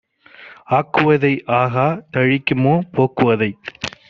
ஆக்குவதை ஆகா தழிக்குமோ? போக்குவதைத்